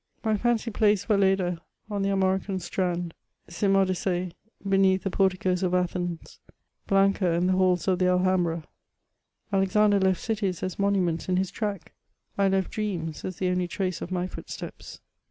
My fancy placed Velleda on the Armorican strand, Cymodyc^e beneath the porticos of Athens, Blanca in the halls of th^ Alhambra. Alexander left cities as monuments in his track ; I left dreams as the only trace of my footsteps.